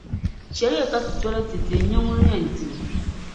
chɛliya ka ti tola tɛte n-nya ŋun yɛn di li.